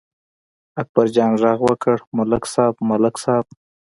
اکبرجان غږ وکړ: ملک صاحب، ملک صاحب!